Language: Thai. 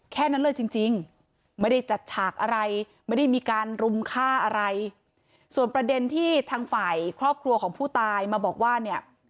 แค่นั้นเลยจริงจริงไม่ได้จัดฉากอะไรไม่ได้มีการรุมฆ่าอะไรส่วนประเด็นที่ทางฝ่ายครอบครัวของผู้ตายมาบอกว่าเนี่ย